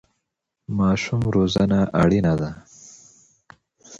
ماشوم روزنه اړینه ده.